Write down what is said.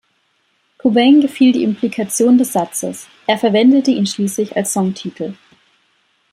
Cobain gefiel die Implikation des Satzes, er verwendete ihn schließlich als Songtitel.